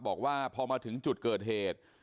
บอกว่าพอมาถึงจุดเกิดเหตุ